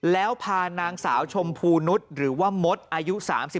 แล้วพานางสาวชมพูนุษย์หรือว่ามดอายุ๓๒